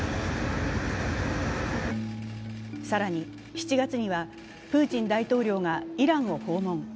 更に７月にはプーチン大統領がイランを訪問。